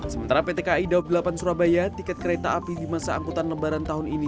sementara pt kai daob delapan surabaya tiket kereta api di masa angkutan lebaran tahun ini